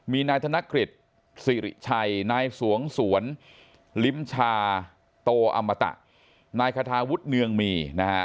มีนายธนกฤษสิริชัยนายสวงสวนลิ้มชาโตอมตะนายคาทาวุฒิเนืองมีนะฮะ